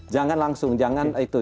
jangan langsung jangan itu